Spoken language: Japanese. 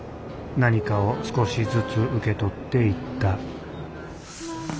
何かを少しずつ受け取っていった